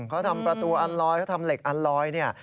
เขาทำประตูอันลอยเขาทำเหล็กอันลอยเนี่ย